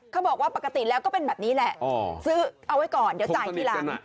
เขาบอกว่าปกติแล้วก็เป็นแบบนี้แหละซื้อเอาไว้ก่อนเดี๋ยวจ่ายทีหลัง